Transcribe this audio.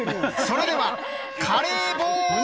それではカレーボール！